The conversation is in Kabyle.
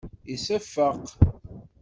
Iseffeq.